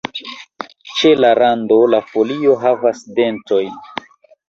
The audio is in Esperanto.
Ĉe la rando la folio havas dentojn.